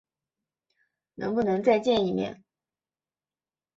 能不能再见一面？